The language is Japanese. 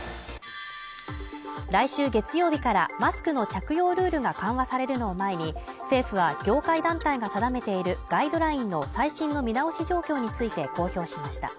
来週月曜日から、マスクの着用ルールが緩和されるのを前に、政府は業界団体が定めているガイドラインの最新の見直し状況について公表しました。